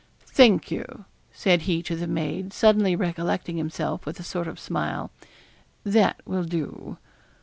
'Thank you,' said he to the maid, suddenly recollecting himself, with a sort of smile; 'that will do.